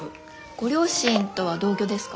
ご両親とは同居ですか？